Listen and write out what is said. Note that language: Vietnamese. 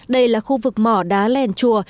đây là khu vực mỏ đá lèn chùa